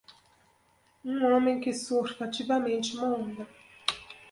Um homem que surfa ativamente uma onda.